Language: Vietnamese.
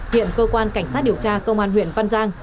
hiện cơ quan cảnh sát điều tra công an huyện văn giang